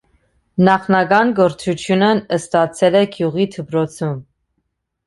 Նախնական կրթությունը ստացել է գյուղի դպրոցում։